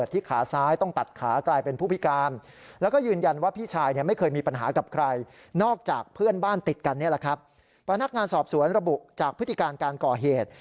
ติดกันนี้แหละครับพนักงานสอบสวนระบุจากพฤติการการก่อเหตุ